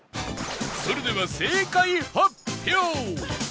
それでは正解発表